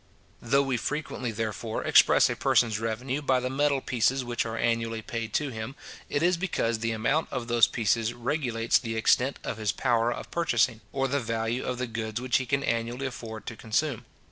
Though we frequently, therefore, express a person's revenue by the metal pieces which are annually paid to him, it is because the amount of those pieces regulates the extent of his power of purchasing, or the value of the goods which he can annually afford to consume.